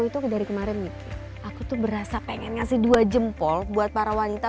terima kasih mas raka